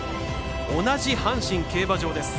同じ阪神競馬場です。